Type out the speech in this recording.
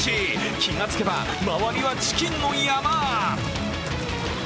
気がつけば、周りはチキンの山。